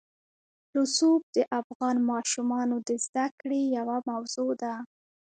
رسوب د افغان ماشومانو د زده کړې یوه موضوع ده.